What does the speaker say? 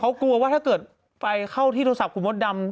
เขากลัวว่าถ้าเกิดไฟเข้าที่โทรศัพท์คุณมดดำ